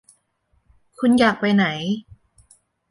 คุณอยากไปไหน